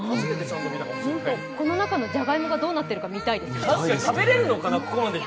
この中のじゃがいもがどうなっているのか見たいです。